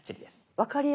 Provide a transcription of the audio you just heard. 分かりやすい。